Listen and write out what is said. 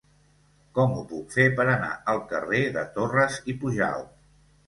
Com ho puc fer per anar al carrer de Torras i Pujalt?